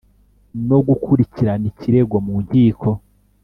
no gukurikirana ikirego mu nkiko